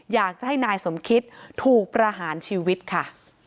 อยากจะให้นายสมคิตถูกประหารชีวิตค่ะ